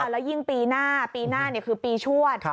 แล้วยิ่งปีหน้าปีหน้าคือปีชวด